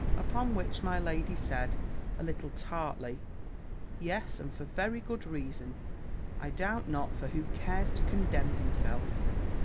Upon which my lady said, a little tartly, "Yes, and for a very good reason, I doubt not; for who cares to condemn himself?"